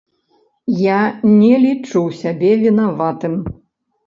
Я не лічу сябе вінаватым.